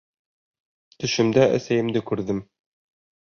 Төшөмдә әсәйемде күрҙем.